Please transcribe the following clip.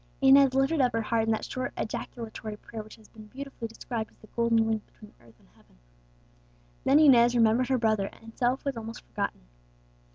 Inez lifted up her heart in that short ejaculatory prayer which has been beautifully described as the golden link between earth and heaven. Then Inez remembered her brother, and self was almost forgotten.